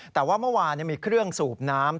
แต่ว่าเมื่อวานมีเครื่องสูบน้ำ